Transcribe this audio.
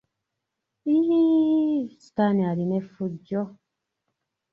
Yiiii...sitaani alina effujjo!